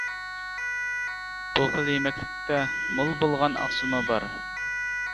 بۇ خىل يېمەكلىكتە مول بولغان ئاقسىلمۇ بار.